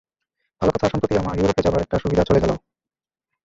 ভাল কথা, সম্প্রতি আমার ইউরোপে যাবার একটা সুবিধা চলে গেল।